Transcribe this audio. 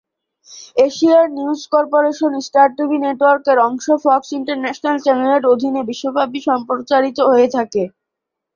এশিয়ার নিউজ কর্পোরেশনের Star TV network এর অংশ ফক্স ইন্টারন্যাশনাল চ্যানেলের অধীনে বিশ্বব্যাপী সম্প্রচারিত হয়ে থাকে।